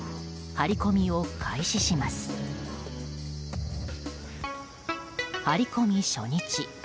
張り込み初日。